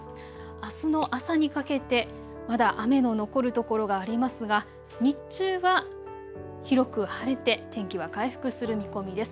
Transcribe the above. あすの朝にかけてまだ雨の残るところがありますが、日中は広く晴れて天気は回復する見込みです。